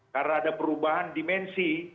karena ada perubahan dimensi